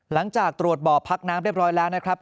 หลังจากตรวจบ่อพักน้ำเรียบร้อยแล้วนะครับ